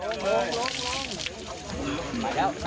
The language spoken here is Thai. มีใครหายหน้าดูแหละครับ